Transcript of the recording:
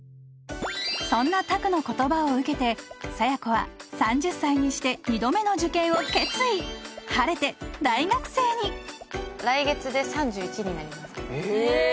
そんな拓の言葉を受けて佐弥子は３０歳にして２度目の受験を決意晴れて大学生に来月で３１になりますえ